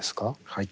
はい。